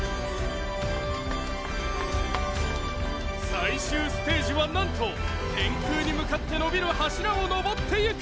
最終ステージはなんと天空に向かって伸びる柱を登っていくエリア！